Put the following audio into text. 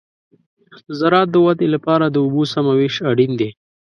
د زراعت د ودې لپاره د اوبو سمه وېش اړین دی.